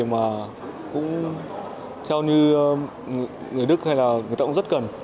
mà cũng theo như người đức hay là người ta cũng rất cần